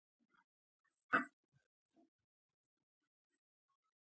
نو د مهاجرینو زیاتېدونکی شمېر نابرابري زیاتوي